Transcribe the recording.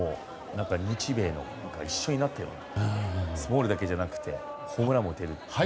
日米が一緒になってのスモールだけじゃなくてホームランも打てるって。